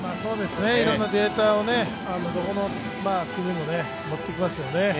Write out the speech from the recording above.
いろいろなデータをどこの国もとってきますよね。